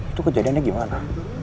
itu kejadiannya gimana